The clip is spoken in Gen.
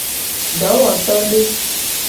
Dowotode.